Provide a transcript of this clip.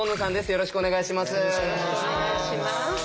よろしくお願いします。